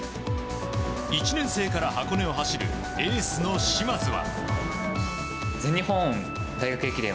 １年生から箱根を走るエースの嶋津は。